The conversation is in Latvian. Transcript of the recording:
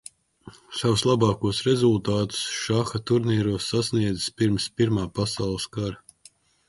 Savus labākos rezultātus šaha turnīros sasniedzis pirms Pirmā pasaules kara.